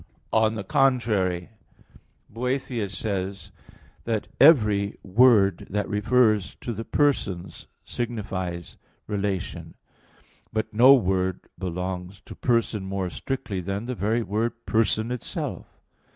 On the contrary, Boethius says (De Trin.) that "every word that refers to the persons signifies relation." But no word belongs to person more strictly than the very word "person" itself.